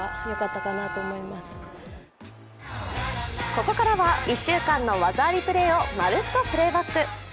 ここからは１週間の技ありプレーを「まるっと！Ｐｌａｙｂａｃｋ」。